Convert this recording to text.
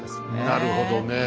なるほど。